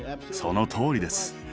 そのとおりです。